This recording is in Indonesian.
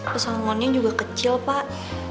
pesangonnya juga kecil pak